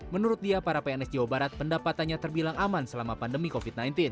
menurut dia para pns jawa barat pendapatannya terbilang aman selama pandemi covid sembilan belas